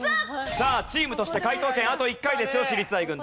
さあチームとして解答権あと１回ですよ私立大軍団。